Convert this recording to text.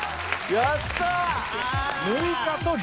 やった。